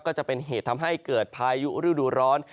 ก็จะเป็นเหตุทำให้เกิดพายุฤดูร้อน